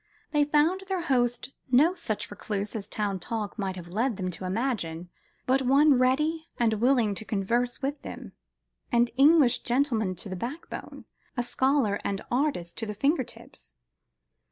They found their host no such recluse as town talk might have led them to imagine, but one ready and willing to converse with them, an English gentleman to the backbone, a scholar and artist to the finger tips.